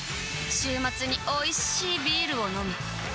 週末においしいビールを飲むあたまらんっ